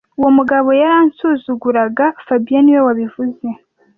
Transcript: Uwo mugabo yaransuzuguraga fabien niwe wabivuze